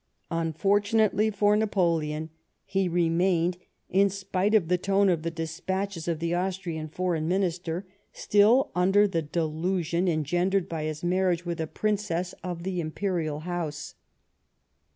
Unfortunately for Napoleon he remained, in spite of t:ie tone of the despatches of the Austrian Foreign ^Minister, still under the delusion engendered by his marriage with a Princess of the Imperial House.